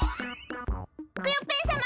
クヨッペンさま！